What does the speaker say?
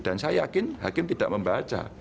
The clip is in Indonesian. dan saya yakin hakim tidak membaca